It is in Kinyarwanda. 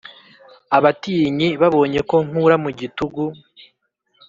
Abatinyi babonye ko nkura mu gitugu